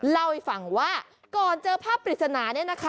เล่าให้ฟังว่าก่อนเจอภาพปริศนา